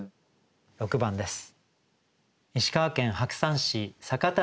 ６番です。